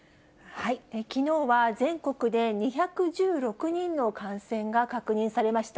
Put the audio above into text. きのうは全国で２１６人の感染が確認されました。